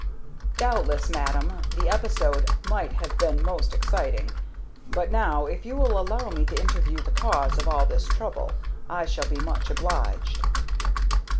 "Doubtless, madam, the episode must have been most exciting; but now, if you will allow me to interview the cause of all this trouble, I shall be much obliged."